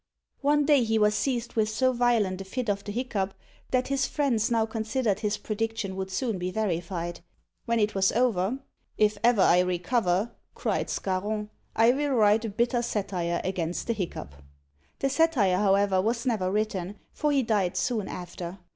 One day he was seized with so violent a fit of the hiccough, that his friends now considered his prediction would soon be verified. When it was over, "If ever I recover," cried Scarron, "I will write a bitter satire against the hiccough." The satire, however, was never written, for he died soon after.